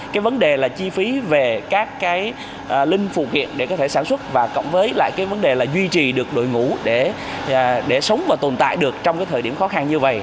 cái vấn đề là chi phí về các cái linh phụ kiện để có thể sản xuất và cộng với lại cái vấn đề là duy trì được đội ngũ để sống và tồn tại được trong cái thời điểm khó khăn như vậy